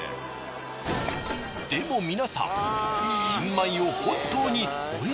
でも皆さん。